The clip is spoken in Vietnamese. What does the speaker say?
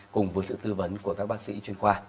cùng với sự tư vấn của các bác sĩ chuyên khoa